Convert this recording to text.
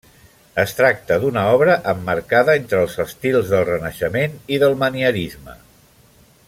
Es tracta d'una obra emmarcada entre els estils del Renaixement i del Manierisme.